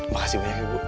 makasih banyak ibu